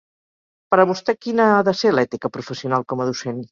Per a vostè quina ha de ser l'ètica professional com a docent?